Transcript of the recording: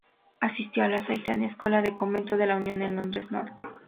Asistió a La Sainte Escuela de Convento de la Unión en Londres norte.